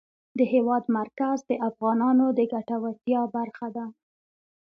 د هېواد مرکز د افغانانو د ګټورتیا برخه ده.